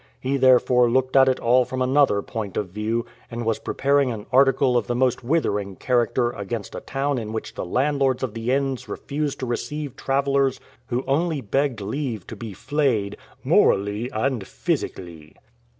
He therefore looked at it all from another point of view, and was preparing an article of the most withering character against a town in which the landlords of the inns refused to receive travelers who only begged leave to be flayed, "morally and physically."